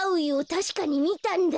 たしかにみたんだ。